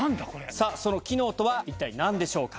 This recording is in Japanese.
さぁその機能とは一体何でしょうか？